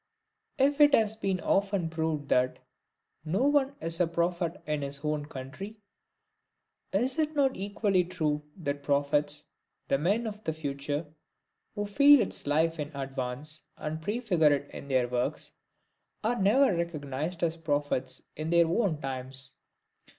If it has been often proved that "no one is a prophet in his own country;" is it not equally true that the prophets, the men of the future, who feel its life in advance, and prefigure it in their works, are never recognized as prophets in their own times?